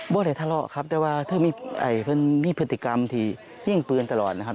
บ้าอะไรทะเลาะครับแต่ว่าเกิดที่มีพฤติกรรมที่ยิงปืนตลอดล่ะนะครับ